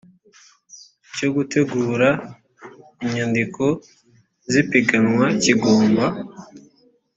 cyo gutegura inyandiko z ipiganwa kigomba